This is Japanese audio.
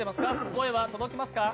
声は届きますか？